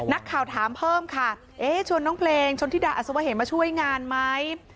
นักข่าวถามเพิ่มค่ะเอ๊ะชวนน้องเพลงชนธิดาอสวะเหมมาช่วยงานไหม